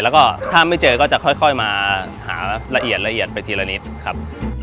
แล้วก็ถ้าไม่เจอก็จะค่อยมาหาละเอียดละเอียดไปทีละนิดครับ